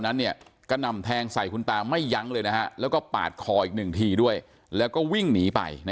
นั้นกระหน่ำแทงใส่คุณตาไม่ยั้งเลยนะฮะแล้วก็ปาดคออีกหนึ่งทีด้วยแล้วก็วิ่งหนีไป